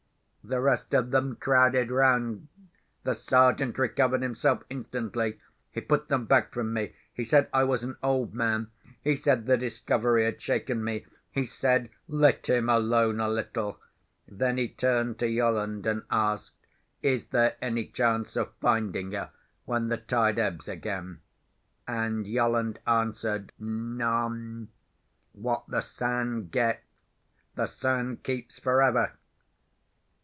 The rest of them crowded round. The Sergeant recovered himself instantly. He put them back from me; he said I was an old man; he said the discovery had shaken me; he said, "Let him alone a little." Then he turned to Yolland, and asked, "Is there any chance of finding her, when the tide ebbs again?" And Yolland answered, "None. What the Sand gets, the Sand keeps for ever."